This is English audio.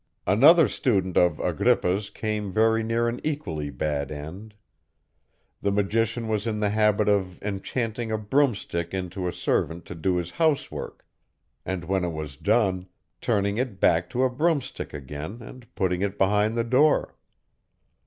Another student of Agrippa's came very near an equally bad end. The magician was in the habit of enchanting a broomstick into a servant to do his housework, and when it was done, turning it back to a broomstick again and putting it behind the door.